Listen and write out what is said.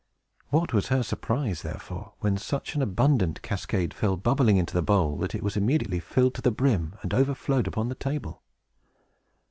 What was her surprise, therefore, when such an abundant cascade fell bubbling into the bowl, that it was immediately filled to the brim, and overflowed upon the table!